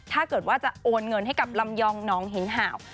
ถ้าเกิดว่าจะโอนเงินให้กับลำยองน้องหินห่าว